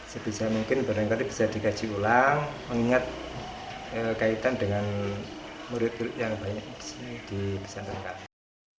sebisa mungkin barangkali bisa dikaji ulang mengingat kaitan dengan murid murid yang banyak di sini di pesantren kami